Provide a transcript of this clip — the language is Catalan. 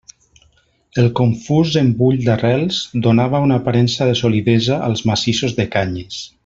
El confús embull d'arrels donava una aparença de solidesa als massissos de canyes.